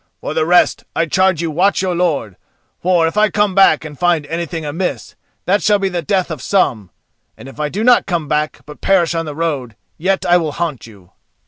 For the rest, I charge you watch your lord; for, if I come back and find anything amiss, that shall be the death of some, and if I do not come back but perish on the road, yet I will haunt you."